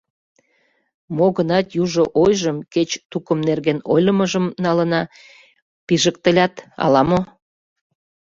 Мо-гынат, южо ойжым — кеч тукым нерген ойлымыжым налына — «пижыктылят» ала-мо.